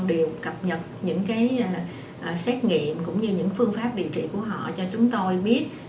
đều cập nhật những cái xét nghiệm cũng như những phương pháp điều trị của họ cho chúng tôi biết